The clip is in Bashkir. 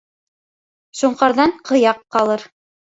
Шоңҡарҙан ҡыяҡ ҡалыр.